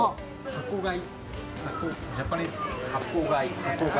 箱買い。